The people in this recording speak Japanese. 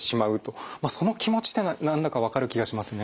その気持ちというのは何だか分かる気がしますね。